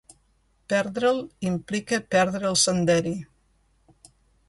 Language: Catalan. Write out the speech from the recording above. Perdre'l implica perdre el senderi.